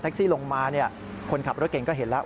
ซี่ลงมาคนขับรถเก่งก็เห็นแล้ว